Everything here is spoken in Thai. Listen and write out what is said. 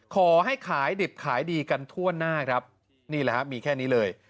ขอให้ขายดิบขายดีกันทั่วหน้าครับนี่แหละครับมีแค่นี้เลย